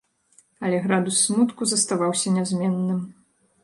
Але градус смутку заставаўся нязменным.